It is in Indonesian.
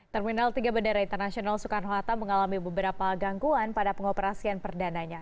terminal tiga bandara internasional soekarno hatta mengalami beberapa gangguan pada pengoperasian perdananya